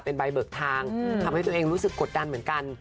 เป็นใบเบิกทางทำให้ตัวเองรู้สึกกดดันเหมือนกัน